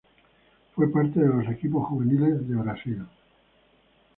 Fue parte de los equipos juveniles de Brasil.